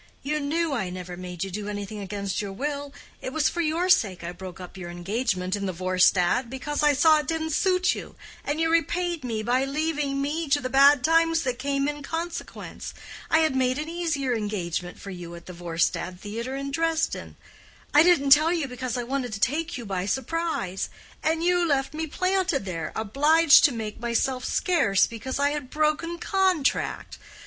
You knew I never made you do anything against your will. It was for your sake I broke up your engagement in the Vorstadt, because I saw it didn't suit you, and you repaid me by leaving me to the bad times that came in consequence. I had made an easier engagement for you at the Vorstadt Theater in Dresden: I didn't tell you, because I wanted to take you by surprise. And you left me planted there—obliged to make myself scarce because I had broken contract.